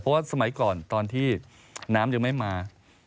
เพราะว่าสมัยก่อนตอนที่น้ำยังไม่มา